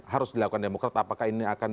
harus dilakukan demokrat apakah ini akan